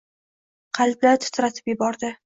qalblar titratib yubordi.